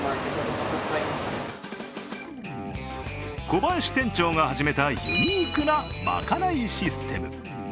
小林店長が始めたユニークなまかないシステム。